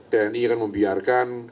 tni akan membiarkan